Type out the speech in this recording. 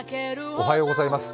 おはようございます。